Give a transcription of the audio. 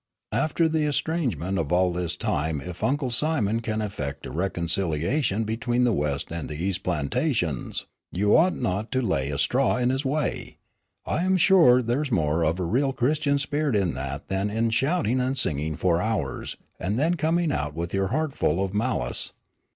After the estrangement of all this time if Uncle Simon can effect a reconciliation between the west and the east plantations, you ought not to lay a straw in his way. I am sure there is more of a real Christian spirit in that than in shouting and singing for hours, and then coming out with your heart full of malice.